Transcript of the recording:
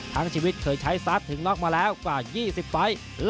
ทั้งชีวิตเคยใช้สตาร์ทถึงน็อกมาแล้วกว่า๒๐ไฟล์